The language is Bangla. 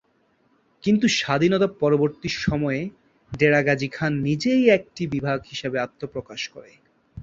কিন্তু স্বাধীনতা পরবর্তী সময়ে, ডেরা গাজী খানকে নিজেই একটি বিভাগ হিসেবে আত্মপ্রকাশ করে।